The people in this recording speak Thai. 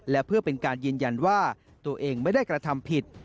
และเพื่อเป็นการยืนยันว่าตัวเองไม่ได้กระทำผิด